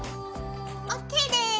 ＯＫです！